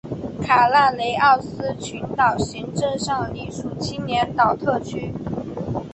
卡纳雷奥斯群岛行政上隶属青年岛特区。